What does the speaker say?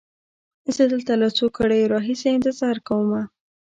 زه دلته له څو ګړیو را هیسې انتظار کومه.